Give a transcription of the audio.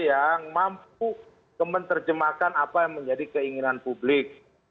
yang mampu menerjemahkan apa yang menjadi keinginan publik